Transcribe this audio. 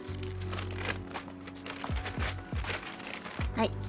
はい。